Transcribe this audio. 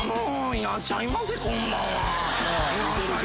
いらっしゃいませこんばんは。